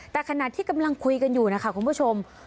แต่ขณะที่กำลังคุยกันอยู่นะคะคุณผู้ชม